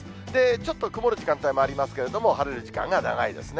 ちょっと曇る時間帯もありますけれども、晴れる時間が長いですね。